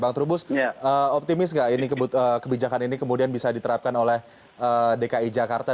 bang trubus optimis nggak kebijakan ini kemudian bisa diterapkan oleh dki jakarta